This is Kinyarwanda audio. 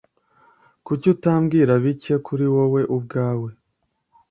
Kuki utambwira bike kuri wewe ubwawe?